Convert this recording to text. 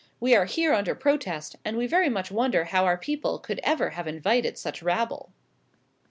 We are here under protest, and we very much wonder how our people could ever have invited such rabble!"